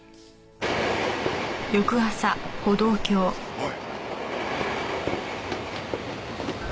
おい。